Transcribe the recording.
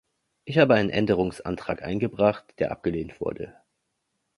Ich habe einen Änderungsantrag eingebracht, der abgelehnt wurde.